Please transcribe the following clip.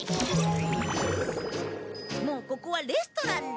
もうここはレストランだ。